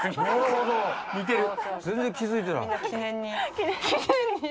全然気付いてない。